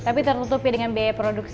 tapi tertutupi dengan biaya produksinya